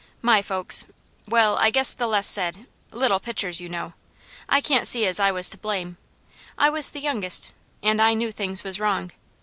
My folks well, I guess the less said little pitchers, you know! I can't see as I was to blame. I was the youngest, an' I knew things was wrong.